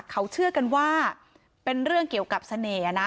เขาเชื่อกันว่าเป็นเรื่องเกี่ยวกับเสน่ห์นะ